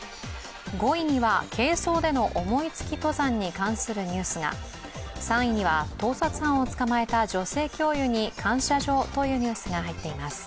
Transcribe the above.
５位には、軽装での思いつき登山に関するニュースが、３位には盗撮犯を捕まえた女性教諭に感謝状というニュースが入っています。